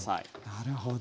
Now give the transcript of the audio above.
なるほど。